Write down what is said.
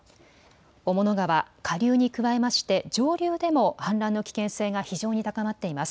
雄物川、下流に加えまして上流でも氾濫の危険性が非常に高まっています。